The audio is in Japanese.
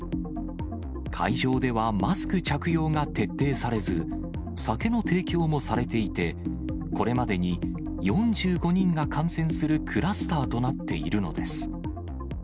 会場ではマスク着用が徹底されず、酒の提供もされていて、これまでに４５人が感染するクラスターとなっているのです。